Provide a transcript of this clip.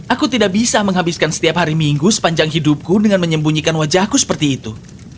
aku tidak bisa menghabiskan setiap hari minggu sepanjang hidupku dengan menyembunyikan wajahku seperti itu